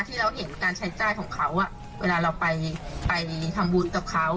ที่เราเห็นการใช้จ่ายของเขาเวลาเราไปทำบุญกับเขา